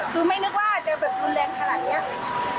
คือไม่นึกว่าเจอแบบรุนแรงขนาดนี้